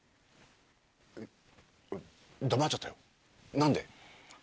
黙っちゃったよ何で？